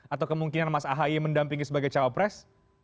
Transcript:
atau kemungkinan mas ahaye mendampingi sebagai cawapres